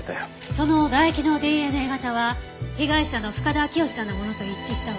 その唾液のＤＮＡ型は被害者の深田明良さんのものと一致したわ。